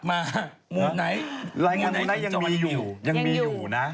เอามาเรื่องหน้าก่อนเลยนะครับ